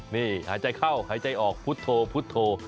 หายใจเข้าหายใจออกพุทโทพุทโท